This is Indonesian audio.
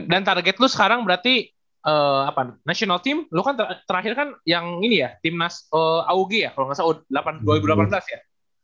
dan target lu sekarang berarti national team lu kan terakhir kan yang ini ya tim aug ya kalau ga salah dua ribu delapan belas ya